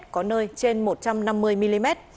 có nơi trên một trăm năm mươi mm